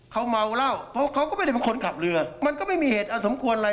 เขาเมาเหล้าเพราะเขาก็ไม่ได้เป็นคนขับเรือมันก็ไม่มีเหตุอันสมควรอะไร